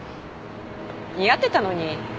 似合ってたのに。